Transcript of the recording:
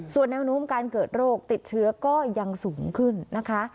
ส่วนแนวโน้มการเกิดโรคติดเชื้อก็ยังสูงขึ้นนะคะ